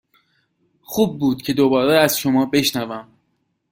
خوب بود که دوباره از شما بشنوم.